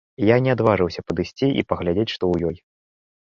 Я не адважыўся падысці і паглядзець, што ў ёй.